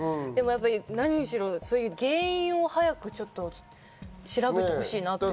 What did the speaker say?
何しろ原因を早く調べてほしいなと。